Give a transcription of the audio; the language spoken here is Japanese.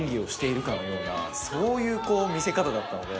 そういう見せ方だったので。